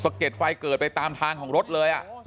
เก็ดไฟเกิดไปตามทางของรถเลย